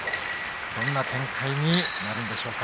どんな展開になるのでしょうか。